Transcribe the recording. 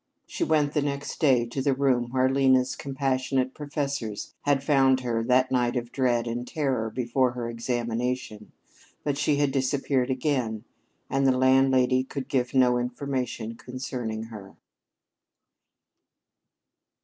She went the next day to the room where Lena's compassionate professors had found her that night of dread and terror before her examination. But she had disappeared again, and the landlady could give no information concerning her.